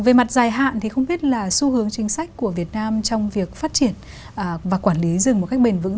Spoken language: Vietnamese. về mặt dài hạn thì không biết là xu hướng chính sách của việt nam trong việc phát triển và quản lý rừng một cách bền vững